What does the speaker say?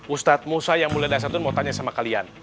ustadz musa yang mulai dasar itu mau tanya sama kalian